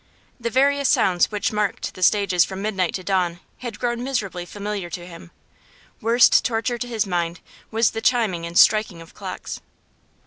The various sounds which marked the stages from midnight to dawn had grown miserably familiar to him; worst torture to his mind was the chiming and striking of clocks.